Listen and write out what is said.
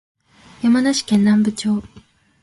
山梨県南部町